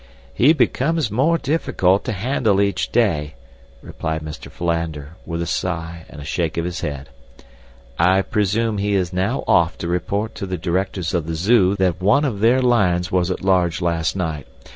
"He becomes more difficult to handle each day," replied Mr. Philander, with a sigh and a shake of his head. "I presume he is now off to report to the directors of the Zoo that one of their lions was at large last night.